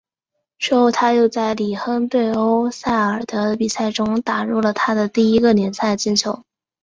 之后他又在里昂对欧塞尔的比赛中打入了他的第一个联赛进球。